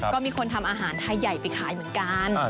ก็มีคนทำอาหารไทยใหญ่ไปขายเหมือนกัน